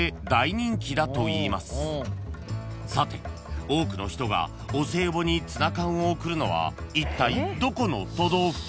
［さて多くの人がお歳暮にツナ缶を贈るのはいったいどこの都道府県？］